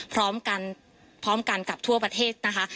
พร้อมกันพร้อมกันกับทั่วประเทศนะคะ